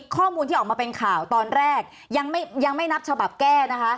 ข้อมูลที่ออกมาเป็นข่าวตอนแรกยังไม่นับฉบับแก้นะคะ